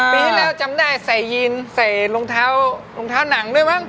ปีที่แล้วจำได้ใส่ยีนใส่รองเท้ารองเท้าหนังด้วยมั้ง